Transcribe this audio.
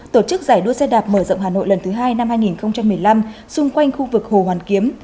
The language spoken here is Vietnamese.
tổ chức giải đua xe đạp mở rộng hà nội lần thứ hai năm hai nghìn một mươi năm xung quanh khu vực hồ hoàn kiếm